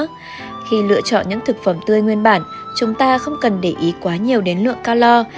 trong khi lựa chọn những thực phẩm tươi nguyên bản chúng ta không cần để ý quá nhiều đến lượng calor